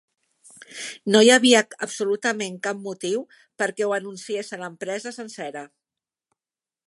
No hi havia absolutament cap motiu perquè ho anunciés a l'empresa sencera.